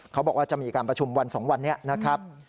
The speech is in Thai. เขาบอกว่าจะมีการประชุมวัน๒วันนี้นะครับ